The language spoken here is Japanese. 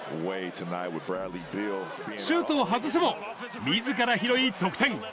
シュートを外すも、みずから拾い得点。